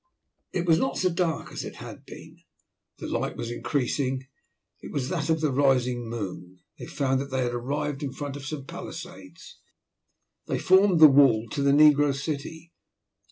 It was not so dark as it had been. The light was increasing, it was that of the rising moon. They found that they had arrived in front of some palisades. They formed the wall to the negro city.